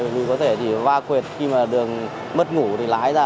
bởi vì có thể thì va khuệt khi mà đường mất ngủ thì lái ra